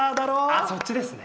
ああ、そっちですね。